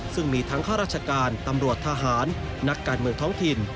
ซึ่งมีทั้งข้าราชการตำรวจทหารนักการเมืองท้องถิ่น